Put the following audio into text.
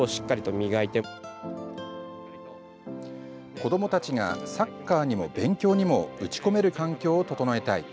子どもたちがサッカーにも勉強にも打ち込める環境を整えたい。